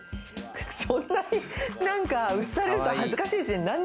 そんなに映されるとなんか恥ずかしいですね。